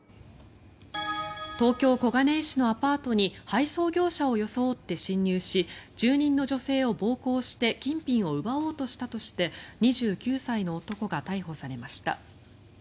東京・小金井市のアパートに配送業者を装って侵入し住人の女性を暴行して金品を奪おうとしたとして２９歳の男が逮捕されました。